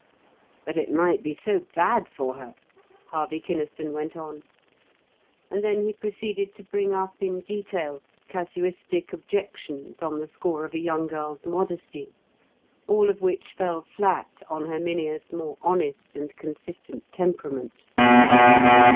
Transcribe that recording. "But it might be so bad for her," Harvey Kynaston went on. And then he proceeded to bring up in detail casuistic objections on the score of a young girl's modesty; all of which fell flat on Herminia's more honest and consistent temperament.